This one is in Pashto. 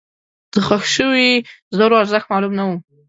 دښخ شوي زرو ارزښت معلوم نه و.